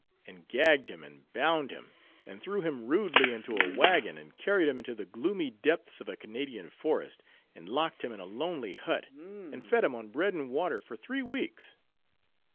and gagged him and bound him and threw him rudely into a wagon, and carried him into the gloomy depths of a Canadian forest, and locked him in a lonely hut, and fed him on bread and water for three weeks.